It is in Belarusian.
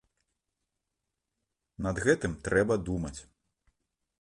Над гэтым трэба думаць.